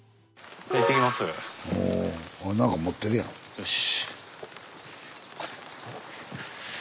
よし！